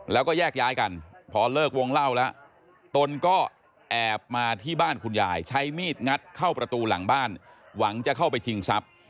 แล้วก็แยกย้ายกันพอเลิกวงเล่าแล้วตนก็แอบมาที่บ้านคุณยายใช้มีดงัดเข้าประตูหลังบ้านหวังจะเข้าไปชิงทรัพย์